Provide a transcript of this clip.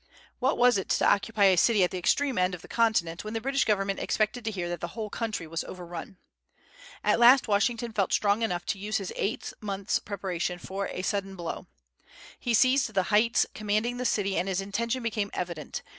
What was it to occupy a city at the extreme end of the continent, when the British government expected to hear that the whole country was overrun? At last Washington felt strong enough to use his eight months' preparations for a sudden blow. He seized the heights commanding the city and his intention became evident.